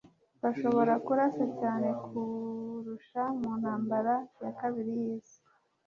bashoboraga kurasa cyane kurusha mu ntambara ya kabiri y'isi